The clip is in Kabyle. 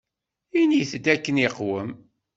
Ini-t-id akken iqwem.